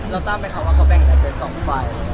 แล้วทราบว่าเขาแบ่งแถวเป็น๒ฝัย